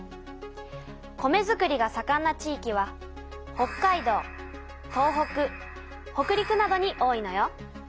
米づくりがさかんな地域は北海道東北北陸などに多いのよ。